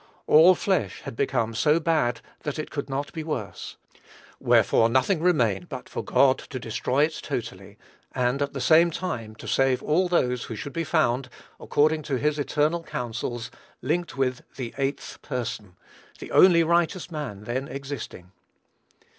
"All flesh" had become so bad that it could not be worse; wherefore nothing remained but for God to destroy it totally; and, at the same time, to save all those who should be found, according to his eternal counsels, linked with "the eighth person," the only righteous man then existing.